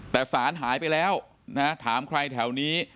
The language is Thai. แต่สารหายไปแล้วนะถามใครแถวนี้